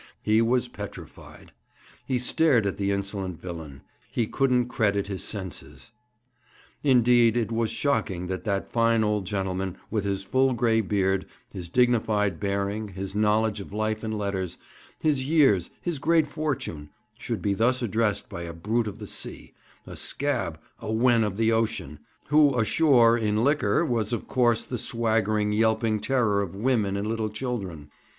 He was petrified. He stared at the insolent villain; he couldn't credit his senses. Indeed, it was shocking that that fine old gentleman, with his full gray beard, his dignified bearing, his knowledge of life and letters, his years, his great fortune, should be thus addressed by a brute of the sea, a scab, a wen of the ocean, who ashore, in liquor, was, of course, the swaggering, yelping terror of women and little children.